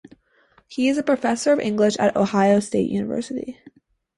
He is professor of English at Idaho State University.